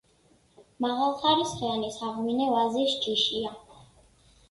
მაღალხარისხიანი საღვინე ვაზის ჯიშია.